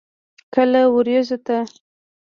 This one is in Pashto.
کله ورېځو ته.